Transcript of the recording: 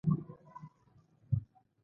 سبا د واورې امکان دی